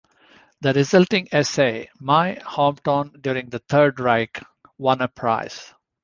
The resulting essay, "My Hometown During the Third Reich", won a prize.